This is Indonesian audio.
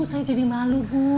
saya jadi malu bu